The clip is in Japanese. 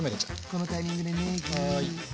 このタイミングでねぎ。